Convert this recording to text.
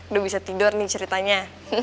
udah bisa tidur nih ceritanya